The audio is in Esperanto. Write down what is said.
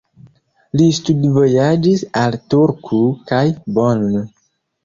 Li studvojaĝis al Turku kaj Bonn.